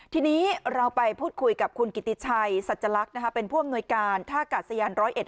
ทีนี้เราไปพูดคุยกับคุณกิติชัยสัจลักษณ์เป็นผู้อำนวยการท่ากาศยานร้อยเอ็ด